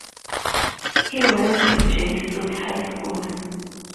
He went to Jesuit High School.